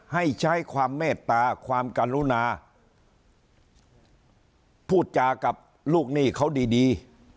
ให้ใช้ความเมตตาความกรุณาพูดจากับลูกหนี้เขาดีดี